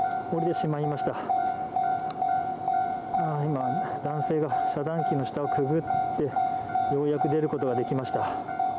今男性が遮断機の下をくぐってようやく出ることができました。